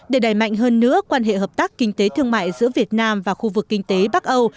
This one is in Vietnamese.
để đẩy mạnh hơn nữa quan hệ hợp tác kinh tế thương mại giữa việt nam và khu vực kinh tế bắc âu